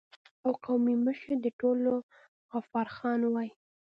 او قومي مشر د ټولو غفار خان وای